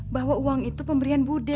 bahwa uang itu pemberian budaya